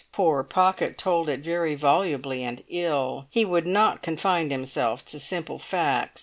Poor Pocket told it very volubly and ill; he would not confine himself to simple facts.